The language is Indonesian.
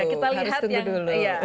harus tunggu dulu